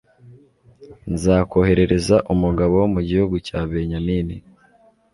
nzakoherereza umugabo wo mu gihugu cya benyamini